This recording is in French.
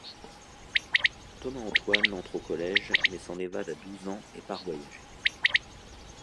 Thomas-Antoine entre au collège, mais s'en évade à douze ans et part voyager.